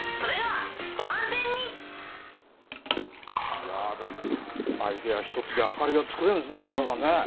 いやぁ、だけどアイデア１つで明かりが作れるんですね。